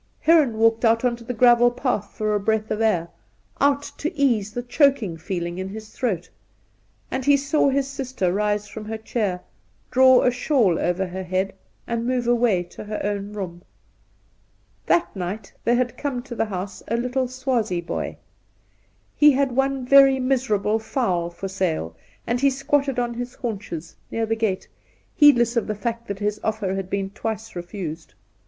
Heron walked out on to the gravel path for a breath of air — out to ease the choking feeling in his throat ; and he saw his sister rise from her chair, draw a shawl over her head, and move away to her own room. That night there had come to the house a little Swazie boy. He had one very miserable fowl for sale, and he squatted on his haunches near the gate, heedless of the fact that his oflFer had been twice refused.